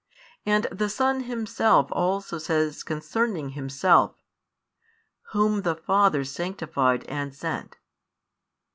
And the Son Himself also says concerning Himself: Whom the Father sanctified and sent.